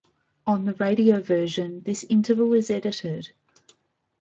On the radio version, this interval is edited.